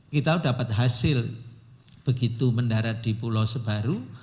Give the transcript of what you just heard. kita dapat hasil begitu mendarat di pulau sebaru